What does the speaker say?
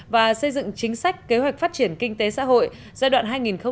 và xây dựng chính sách kế hoạch phát triển kinh tế xã hội giai đoạn hai nghìn hai mươi một